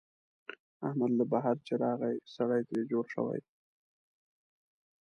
احمد له بهر چې راغی، سړی ترې جوړ شوی.